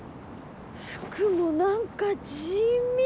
服も何か地味！